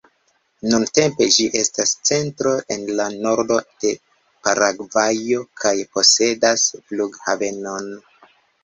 Nuntempe ĝi estas centro en la nordo de Paragvajo kaj posedas flughavenon.